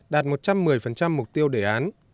đạt một trăm một mươi mục tiêu đề án